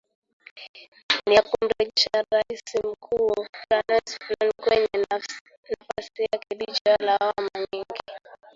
ni ya kumrejesha waziri mkuu franois fillon kwenye nafasi yake licha ya lawama nyingi